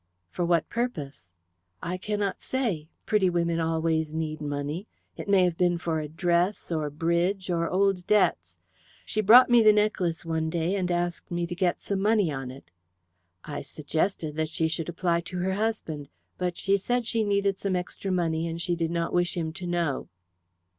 "For what purpose?" "I cannot say. Pretty women always need money. It may have been for dress, or bridge, or old debts. She brought me the necklace one day, and asked me to get some money on it. I suggested that she should apply to her husband, but she said she needed some extra money, and she did not wish him to know."